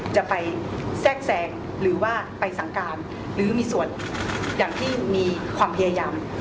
จะไปแทรกแซงหรือว่าไปสั่งการหรือมีส่วนอย่างที่มีความพยายาม